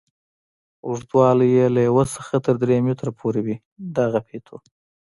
اوږدوالی یې له یوه څخه تر درې متره پورې وي دغه فیتو.